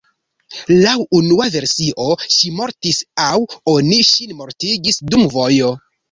Laŭ unua versio ŝi mortis aŭ oni ŝin mortigis dum vojo.